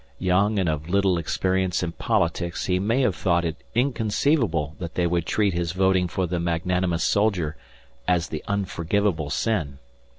Young and of little experience in politics he may have thought it inconceivable that they would treat his voting for the magnanimous soldier as the unforgivable sin.